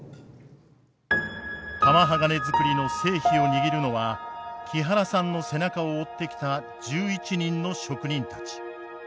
玉鋼づくりの成否を握るのは木原さんの背中を追ってきた１１人の職人たち。